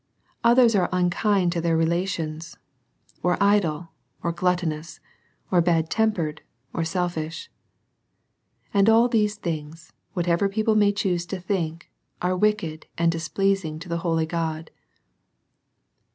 Others are unkind to their rela tions, or idle, or gluttonous, or bad tempered, or selfish. And all these things, whatever people may choose to think, are very wicked and dis , pleasing to the holy God.